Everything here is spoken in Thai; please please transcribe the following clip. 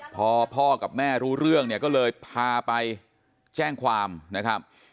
พอพ่อกับแม่รู้เรื่องเนี่ยก็เลยพาไปแจ้งความนะครับ